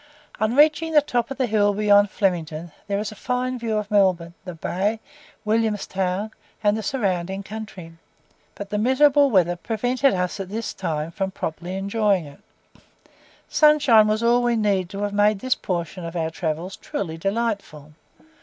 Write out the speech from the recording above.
On reaching the top of the hill beyond Flemington there is a fine view of Melbourne, the bay, William's Town, and the surrounding country, but the miserable weather prevented us at this time from properly enjoying it. Sunshine was all we needed to have made this portion of our travels truly delightful.